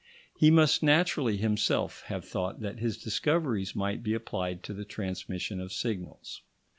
He must naturally himself have thought that his discoveries might be applied to the transmission of signals.